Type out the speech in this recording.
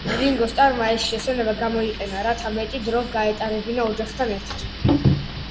რინგო სტარმა ეს შესვენება გამოიყენა, რათა მეტი დრო გაეტარებინა ოჯახთან ერთად.